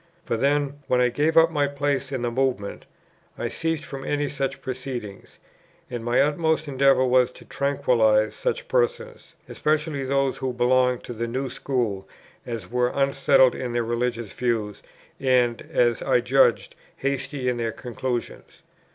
For then, when I gave up my place in the Movement, I ceased from any such proceedings: and my utmost endeavour was to tranquillize such persons, especially those who belonged to the new school, as were unsettled in their religious views, and, as I judged, hasty in their conclusions.